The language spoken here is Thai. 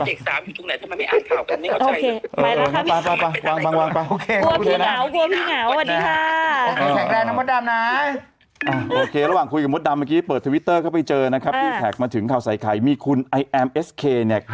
ใช่ป้าเจนก็ป้ายแกน๑๙๖๗นาทีเวลาจะหมดรายการเนี่ย